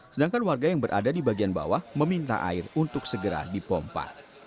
sedangkan warga yang berada di bagian bawah meminta air untuk segera dipompa